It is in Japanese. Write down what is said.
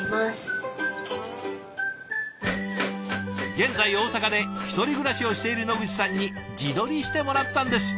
現在大阪で１人暮らしをしている野口さんに自撮りしてもらったんです。